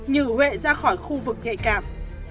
nhử huệ ra khỏi khu vực nhạy cảm